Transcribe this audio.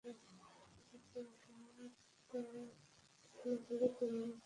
দুপুর সোয়া একটায় সেখানে গেলে তিন লাখ টাকা ফেরত দেওয়া হয়।